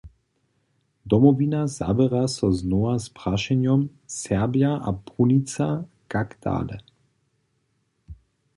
Domowina zaběra so znowa z prašenjom „Serbja a brunica - Kak dale?“